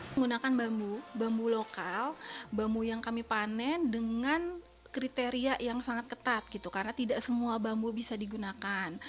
menggunakan bambu bambu lokal bambu yang kami panen dengan kriteria yang sangat ketat karena tidak semua bambu bisa digunakan